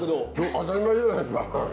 当たり前じゃないですか。